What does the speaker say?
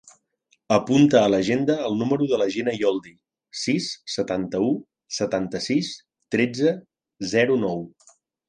Apunta a l'agenda el número de la Gina Yoldi: sis, setanta-u, setanta-sis, tretze, zero, nou.